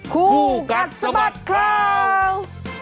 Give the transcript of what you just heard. คุกัจสะบัดค้าว